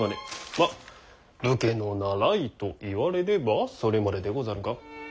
まあ武家のならいと言われればそれまででござるが。